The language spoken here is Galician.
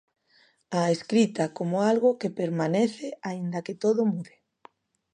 A escrita como algo que permanece, aínda que todo mude.